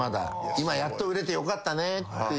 今やっと売れてよかったねっていう。